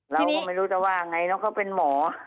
เราก็ไม่รู้จะว่าไงเนอะเขาเป็นหมอ